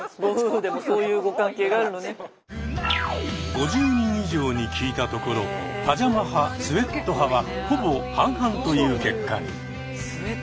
５０人以上に聞いたところパジャマ派スウェット派はほぼ半々という結果に。